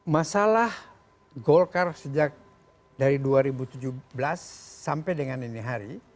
masalah golkar sejak dari dua ribu tujuh belas sampai dengan ini hari